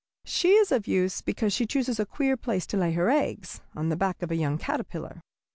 She is of use because she chooses a queer place to lay her eggs on the back of a young caterpillar.